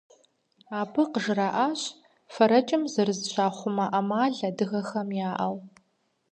Абы къыжраӏащ фэрэкӏым зэрызыщахъумэ ӏэмал адыгэхэм яӏэу.